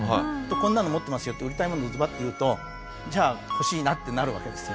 「こんなの持ってますよ」って売りたいものをズバッて言うとじゃあ「欲しいな」ってなるわけですよ。